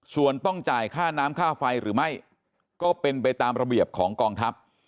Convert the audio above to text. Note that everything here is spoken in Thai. ส่วนต้องจ่ายค่าน้ำค่าไฟหรือไม่ก็เป็นไปตามระเบียบของกองทัพ